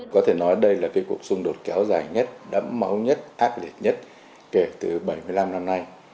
có thể nói đây là cái cuộc xung đột kéo dài nhất đẫm máu nhất ác liệt nhất kể từ bảy mươi năm năm nay